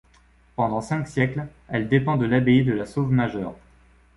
Pendant cinq siècles, elle dépend de l'abbaye de La Sauve-Majeure.